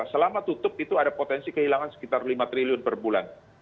selama tutup itu ada potensi kehilangan sekitar lima triliun per bulan